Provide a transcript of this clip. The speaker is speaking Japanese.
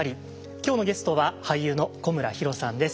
今日のゲストは俳優の古村比呂さんです。